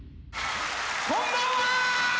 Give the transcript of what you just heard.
こんばんは！